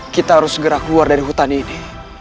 kita harus segera keluar dari hutan ini